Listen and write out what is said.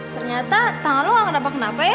ternyata tangan lo nggak kena apa kenapa ya